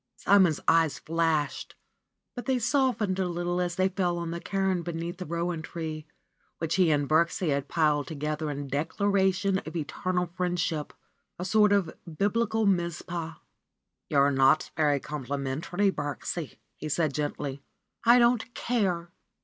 Simon's eyes flashed, but they softened a little as they fell on the cairn underneath the rowan tree, which he and Birksie had piled together in declaration of eternal friendship, a sort of Biblical Mizpah. ^'You are not very complimentary, Birksie," he said gently. don't care